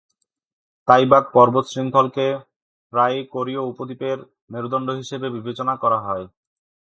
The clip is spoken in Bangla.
তাইবাক পর্বত শৃঙ্খলকে প্রায়ই কোরীয় উপদ্বীপের মেরুদণ্ড হিসেবে বিবেচনা করা হয়।